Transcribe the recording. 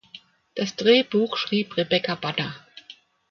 Das Drehbuch schrieb Rebecca Banner.